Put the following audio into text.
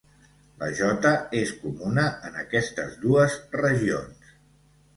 La jota és comuna en aquestes dues regions.